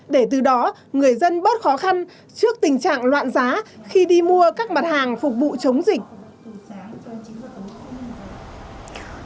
để từ đó người dân bớt khó khăn trước tình trạng loạn giá khi đi mua các mặt hàng phục vụ chống dịch